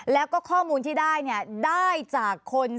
แล้วก็ข้อมูลที่ได้เนี่ยได้ได้จากคน